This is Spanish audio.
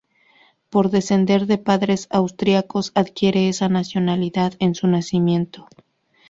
Por descender de padres austriacos, adquiere esa nacionalidad en su nacimiento.